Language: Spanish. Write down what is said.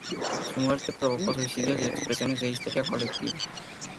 Su muerte provocó suicidios y expresiones de histeria colectiva.